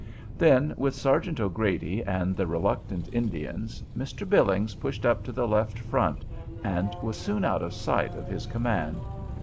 Then, with Sergeant O'Grady and the reluctant Indians, Mr. Billings pushed up to the left front, and was soon out of sight of his command.